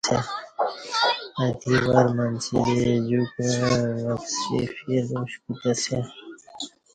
اتکی ور منچی دے جوکوعہ وپسی فیل اوش کوتہ سیہ